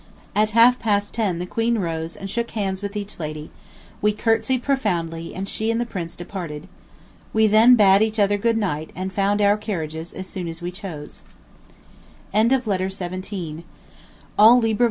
At half past ten the Queen rose and shook hands with each lady; we curtsied profoundly, and she and the Prince departed. We then bade each other good night, and found our carriages as soon as we chose. To W. D. B. and A. B. LONDON, May 16, 1847.